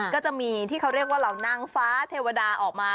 ก็จะมีที่เขาเรียกว่าเหล่านางฟ้าเทวดาออกมา